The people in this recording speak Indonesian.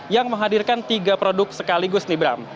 yang menghadirkan tiga produk sekaligus nih bram